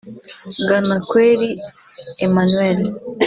Bwanakweli Emmanuel